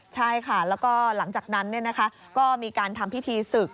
ใช่ค่ะแล้วก็หลังจากนั้นก็มีการทำพิธีศึก